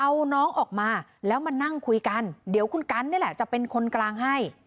เอาน้องออกมาแล้วมานั่งคุยกันเดี๋ยวคุณกันนี่แหละจะเป็นคนกลางให้